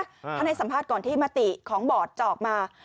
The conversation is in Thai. ท่านให้สัมภาษณ์ก่อนที่มติของบอร์ดจะออกมา